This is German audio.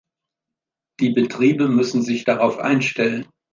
Die Betriebe müssen sich darauf einstellen.